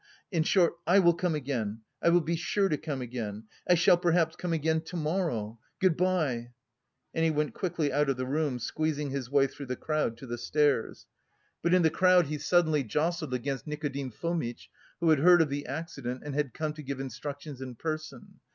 in short, I will come again, I will be sure to come again... I shall, perhaps, come again to morrow.... Good bye!" And he went quickly out of the room, squeezing his way through the crowd to the stairs. But in the crowd he suddenly jostled against Nikodim Fomitch, who had heard of the accident and had come to give instructions in person.